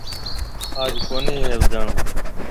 آج ڪونِي هيَ اُجاݪو۔